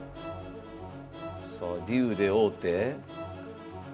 さあ竜で王手。